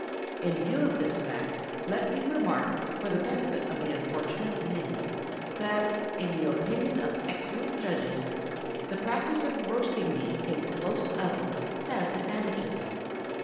In view of this fact, let me remark, for the benefit of the unfortunate many, that, in the opinion of excellent judges, the practice of roasting meat in close ovens has advantages.